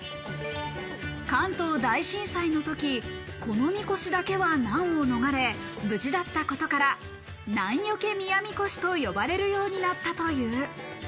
関東大震災の時、この神輿だけは難を逃れ無事だったことから、難避け宮神輿と呼ばれるようになったという。